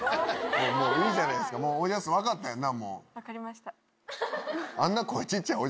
もういいじゃないですかおじゃす分かったやんな？